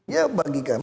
ya bagi kami